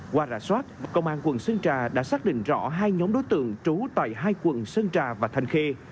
qua rà soát công an quận sơn trà đã xác định rõ hai nhóm đối tượng trú tại hai quận sơn trà và thanh khê